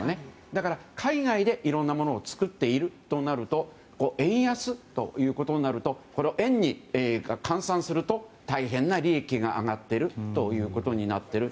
だから海外でいろんなものを作っているということになると円安ということになるとこれを円に換算すると大変な利益が上がっているということになっている。